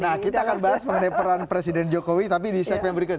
nah kita akan bahas mengenai peran presiden jokowi tapi di segmen berikutnya